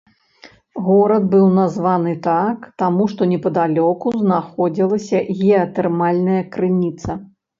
Горад быў названы так, таму што непадалёку знаходзілася геатэрмальная крыніца.